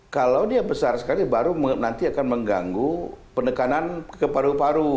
kalau dia besar sekali baru nanti akan mengganggu penekanan ke paru paru